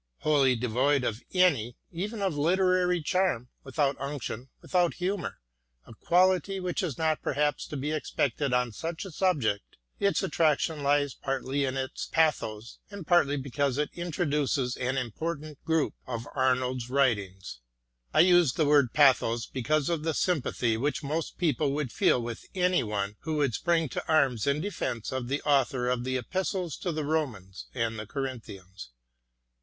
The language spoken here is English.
Wholly devoid of any, even of literary, charm, without unction, without humour — a quality which is not perhaps to be expected on such a subject — its attraction lies partly in its pathos, and partly because it introduces an import ant group of Arnold's writings : I use the word " pathos " because of the sympathy which most people would feel with any one who should spring to arms in defence of the author of the Epistles to the Romans and the Corinthians.